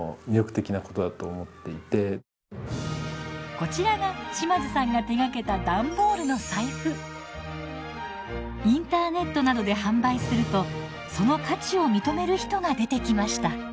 こちらが島津さんが手がけたインターネットなどで販売するとその価値を認める人が出てきました。